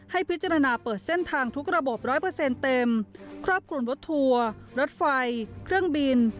พิจารณาเปิดเส้นทางทุกระบบร้อยเปอร์เซ็นต์เต็มครอบคลุมรถทัวร์รถไฟเครื่องบิน